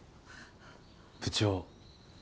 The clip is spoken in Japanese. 部長。